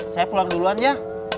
saya pulang duluan ya